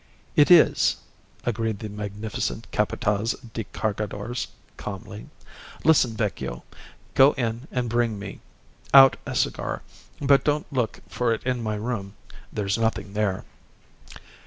"It is," agreed the magnificent Capataz de Cargadores, calmly. "Listen, Vecchio go in and bring me, out a cigar, but don't look for it in my room. There's nothing there."